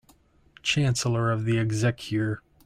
Chancellor of the Exchequer